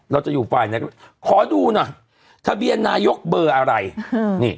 เราจะอยู่ฝ่ายไหนก็ขอดูหน่อยทะเบียนนายกเบอร์อะไรนี่